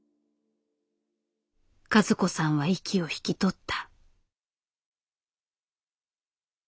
和子さんは息を引き取った。